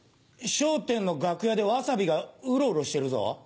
『笑点』の楽屋でわさびがウロウロしてるぞ。